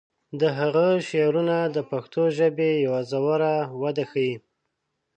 د هغه شعرونه د پښتو ژبې یوه ژوره وده ښیي.